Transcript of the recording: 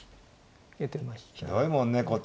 ひどいもんねこっちの。